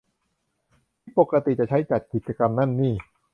ที่ปกติจะใช้จัดกิจกรรมนั่นนี่